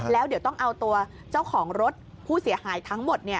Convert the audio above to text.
แล้วเดี๋ยวต้องเอาตัวเจ้าของรถผู้เสียหายทั้งหมด